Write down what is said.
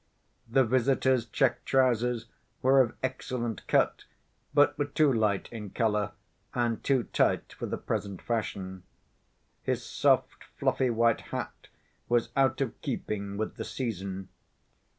The visitor's check trousers were of excellent cut, but were too light in color and too tight for the present fashion. His soft fluffy white hat was out of keeping with the season.